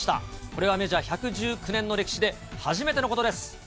これがメジャー１１９年の歴史で初めてのことです。